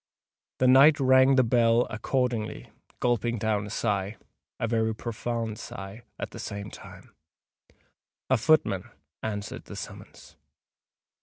The knight rang the bell accordingly, gulping down a sigh—a very profound sigh—at the same time. A footman answered the summons.